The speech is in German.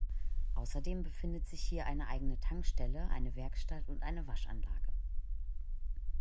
Außerdem befindet sich hier eine eigene Tankstelle, eine Werkstatt und eine Waschanlage.